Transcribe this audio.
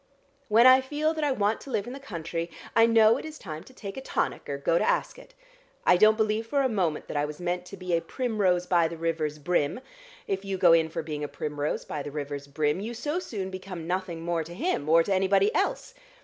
When I feel that I want to live in the country, I know it is time to take a tonic or go to Ascot. I don't believe for a moment that I was meant to be a 'primrose by the river's brim.' If you go in for being a primrose by the river's brim, you so soon become 'nothing more to him' or to anybody else.